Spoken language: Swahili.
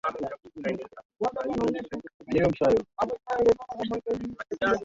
mgawanyo wanwahusika mbalimbali katika mchezo wa kuigiza